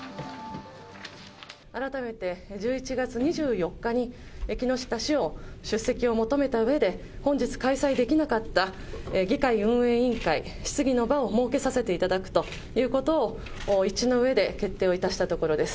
改めて、１１月２４日に木下氏を出席を求めたうえで、本日開催できなかった議会運営委員会、質疑の場を設けさせていただくということを、一致のうえで決定をいたしたところです。